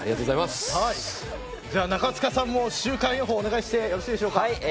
じゃあ、中務さんも週間予報をお願いしてよろしいでしょうか。